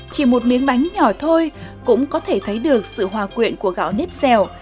chỉ một miếng bánh nhỏ thôi cũng có thể thấy được sự hòa quyện của gạo nếp dèo